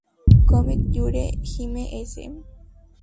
Comic Yuri Hime S